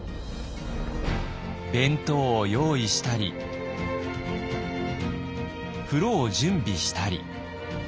弁当を用意したり風呂を準備したり。